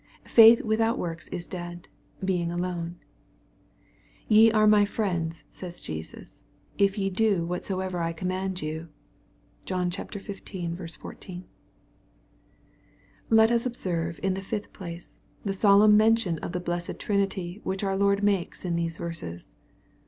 Faith without works is dead, being alone. " Ye are my friends," says Jesus, " if ye do what soever I command you." (John xv. 14.) Let us observe, in the fifth place, the solemn mention of the blessed Trinity which our Lord makes in these verses.